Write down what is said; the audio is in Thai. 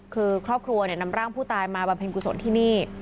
คือครอบครัวเนี่ยนำร่างผู้ตายมาบรรเภนโกสทเลยที่นี่